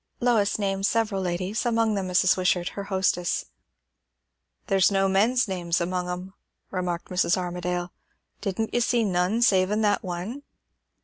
Lois named several ladies, among them Mrs. Wishart, her hostess. "There's no men's names among them," remarked Mrs. Armadale. "Didn't you see none, savin' that one?"